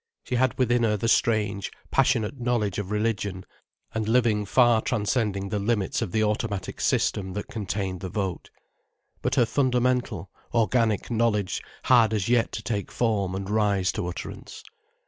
She had within her the strange, passionate knowledge of religion and living far transcending the limits of the automatic system that contained the vote. But her fundamental, organic knowledge had as yet to take form and rise to utterance.